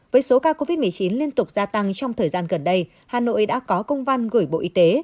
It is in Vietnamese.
với số ca covid một mươi chín liên tục gia tăng trong thời gian gần đây hà nội đã có công văn gửi bộ y tế